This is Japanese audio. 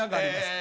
え